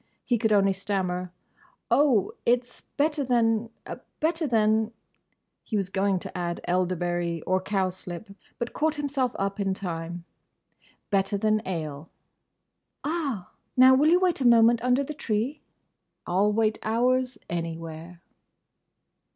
He could only stammer, "Oh, it's better than—better than—" he was going to add elderberry, or cowslip, but caught himself up in time—"better than ale." "Ah!—Now, will you wait a moment under the tree?" "I'll wait hours, anywhere!"